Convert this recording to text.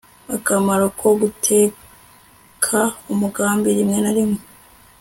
akamaro ko guteka umugati Rimwe na rimwe